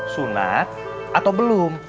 sunat atau belum